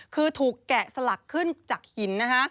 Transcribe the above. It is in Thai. คือถูกแกะสลักขึ้นจากหินนะฮะ